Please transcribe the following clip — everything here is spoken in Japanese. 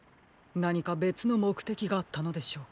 なにかべつのもくてきがあったのでしょうか？